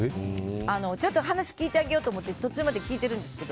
ちゃんと話を聞いてあげようと思って途中まで聞いてるんですけど